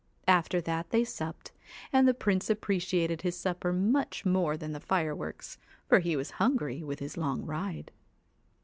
After that they supped, and the Prince appreciated his supper much more than the fireworks, for he was hungry with his long ride.